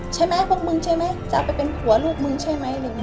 ใช่ไหมพวกมึงใช่ไหมจะเอาไปเป็นผัวลูกมึงใช่ไหม